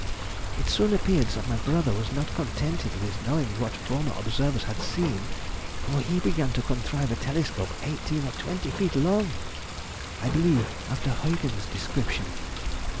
It soon appeared that my brother was not contented with knowing what former observers had seen, for he began to contrive a telescope eighteen or twenty feet long (I believe after Huyghens' description)....